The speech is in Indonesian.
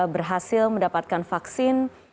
berhasil mendapatkan vaksin